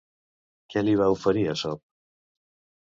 Què li va oferir Asop?